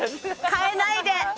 変えないで！